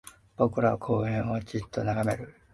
僕らは公園をじっと眺める